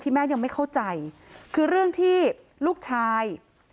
แม่ยังไม่เข้าใจคือเรื่องที่ลูกชาย